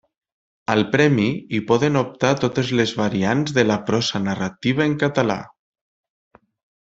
Al premi hi poden optar totes les variants de la prosa narrativa en català.